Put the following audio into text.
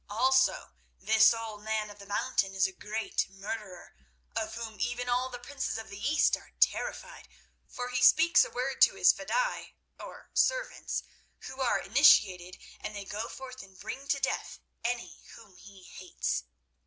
Also, this Old Man of the Mountain is a great murderer, of whom even all the princes of the East are terrified, for he speaks a word to his fedaïs—or servants—who are initiated, and they go forth and bring to death any whom he hates.